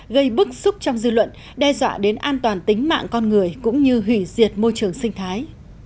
gây bức xúc trong dư luận đe dọa đến an toàn tính mạng con người cũng như hủy diệt môi trường sinh thái